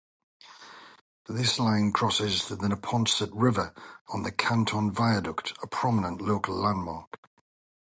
This line crosses the Neponset River on the Canton Viaduct, a prominent local landmark.